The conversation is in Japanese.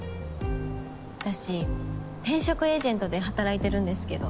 私転職エージェントで働いてるんですけど。